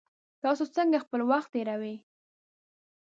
تاسو څنګه خپل وخت تیروئ؟